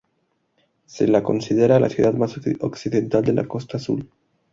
Se la considera la ciudad más occidental de la Costa Azul.